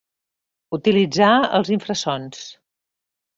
Utilitzà els infrasons.